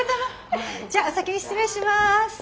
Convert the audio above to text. じゃお先に失礼します。